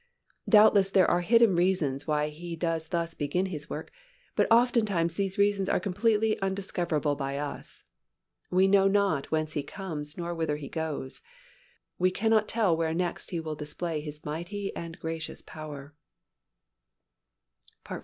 Doubtless there are hidden reasons why He does thus begin His work, but often times these reasons are completely undiscoverable by us. We know not whence He comes nor whither He goes. We cannot tell where next He will display His mighty and gracious power.